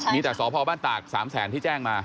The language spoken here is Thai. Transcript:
มีแต่สพบ้านตาก๓แสนที่แจ้งมา